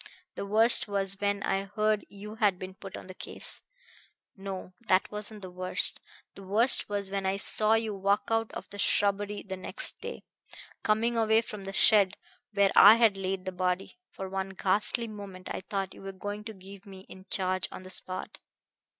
The worst was when I heard you had been put on the case no, that wasn't the worst. The worst was when I saw you walk out of the shrubbery the next day, coming away from the shed where I had laid the body. For one ghastly moment I thought you were going to give me in charge on the spot.